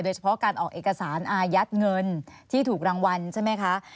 เฉพาะการออกเอกสารอายัดเงินที่ถูกรางวัลใช่ไหมคะ